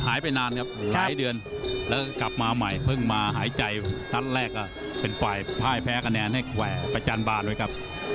หายไปนานครับหลายเดือนแล้วกลับมาใหม่เพิ่งมาหายใจนัดแรกเป็นฝ่ายพ่ายแพ้คะแนนให้แก่ประจันบานเลยครับ